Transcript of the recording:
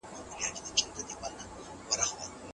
انحراف په ټولنه کې ستونزې پیدا کوي.